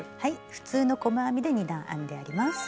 普通の細編みで２段編んであります。